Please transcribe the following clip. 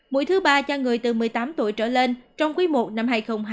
mũi thứ ba cho người từ một mươi tám tuổi trở lên trong quý i năm hai nghìn hai mươi bốn